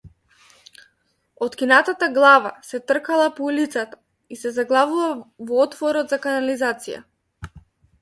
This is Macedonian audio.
Откинатата глава се тркала по улицата и се заглавува во отворот за канализација.